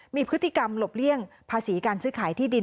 มีพฤติกรรมหลบเลี่ยงภาษีการซื้อขายที่ดิน